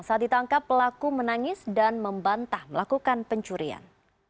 saat ditangkap pelaku menangis dan membantah melakukan pencurian